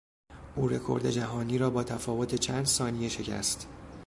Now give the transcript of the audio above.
او رکورد جهانی را با تفاوت چند ثانیه شکست.